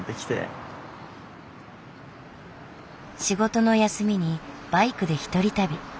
仕事の休みにバイクで一人旅。